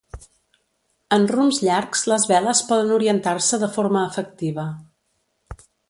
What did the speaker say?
En rumbs llargs les veles poden orientar-se de forma efectiva.